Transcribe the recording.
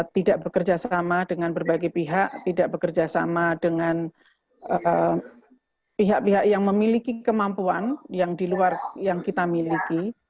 tidak bekerja sama dengan berbagai pihak tidak bekerja sama dengan pihak pihak yang memiliki kemampuan yang di luar yang kita miliki